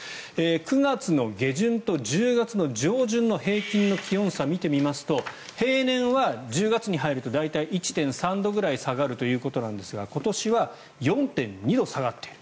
９月の下旬と１０月の上旬の平均の気温差を見てみますと、平年は１０月に入ると大体１．３度ぐらい下がるということなんですが今年は４．２度下がっている。